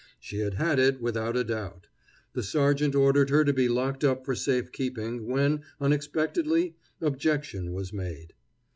She had had it without a doubt. The sergeant ordered her to be locked up for safe keeping, when, unexpectedly, objection was made.